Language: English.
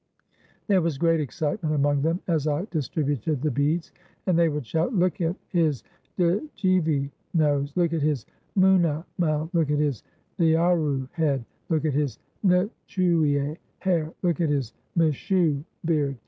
There was great excitement among them as I dis tributed the beads, and they would shout, "Look at his djivie (nose) ; look at his mouna (mouth) ; look at his diarou (head); look at his nchouie (hair); look at his mishou (beard)